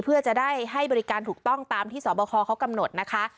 เพื่อจะได้ให้บริการถูกต้องตามที่สอบคอเขากำหนดนะคะ